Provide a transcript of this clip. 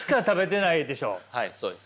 はいそうです。